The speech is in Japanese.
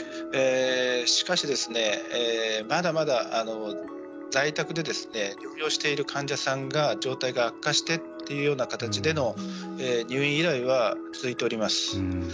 しかし、まだまだ在宅で療養している患者さんが状態が悪化してというような形での入院依頼は続いております。